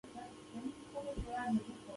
ایا ستاسو هڅې رنګ راوړي؟